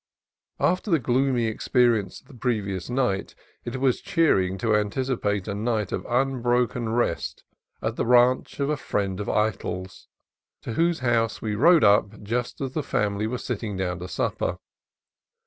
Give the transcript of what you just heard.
After the gloomy experience of the previous night it was cheering to anticipate a night of unbroken rest at the ranch of a friend of Eytel's, to whose house we rode up just as the family were sitting down to supper.